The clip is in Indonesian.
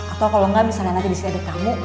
atau kalau enggak nanti disini ada kamu